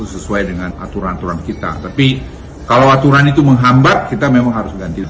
sesuai dengan aturan aturan kita tapi kalau aturan itu menghambat kita memang harus ganti